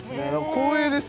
光栄です